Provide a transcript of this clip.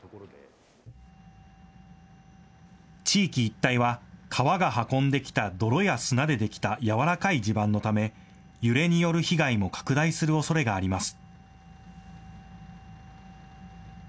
地域一帯は川が運んできた泥や砂でできた軟らかい地盤のため揺れによる被害も拡大するおそれがあります。